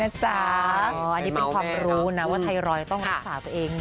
อันนี้เป็นความรู้นะว่าไทรอยด์ต้องรักษาตัวเอง